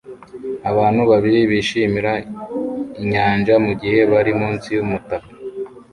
Abantu babiri bishimira inyanja mugihe bari munsi yumutaka